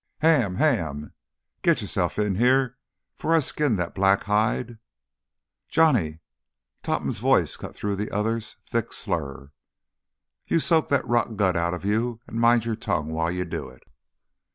"Ham—Ham! You git yourself in here, 'fore I skin that black hide—" "Johnny!" Topham's voice cut through the other's thickened slur. "You soak that rot gut out of you, and mind your tongue while you do it!"